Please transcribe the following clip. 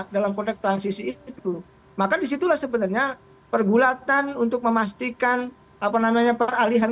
dalam konteks transisi itu maka disitulah sebenarnya pergulatan untuk memastikan apa namanya peralihan